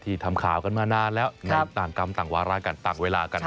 ทำข่าวกันมานานแล้วในต่างกรรมต่างวาระกันต่างเวลากัน